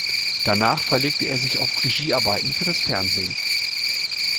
Danach verlegte er sich auf Regiearbeiten für das Fernsehen.